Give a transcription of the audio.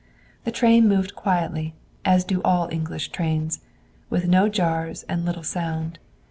The train moved quietly, as do all English trains, with no jars and little sound.